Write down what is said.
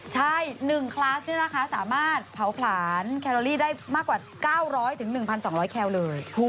ใช่หนึ่งคลาสนี่ล่ะคะสามารถเผาผลาญแคลอรี่ได้มากกว่า๙๐๐๑๒๐๐แคลอร์ด